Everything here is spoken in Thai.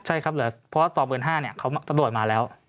ใช่ครับเหลือเพราะว่า๒๕๐๐๐บาทเขาตำรวจมาแล้ว